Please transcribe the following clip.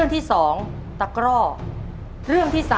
๒ตะกร่อ